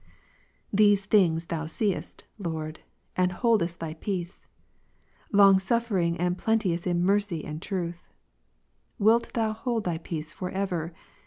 These things Thou seest. Lord, and boldest Thy peace; Ps. 86, long svffering, and plenteous in mercy and truth. Wilt Thou hold Thy peace for ever?